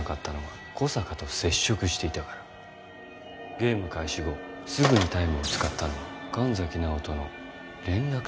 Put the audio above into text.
ゲーム開始後すぐにタイムを使ったのは神崎直との連絡手段を断つため。